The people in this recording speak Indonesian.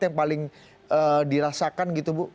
yang paling dirasakan gitu bu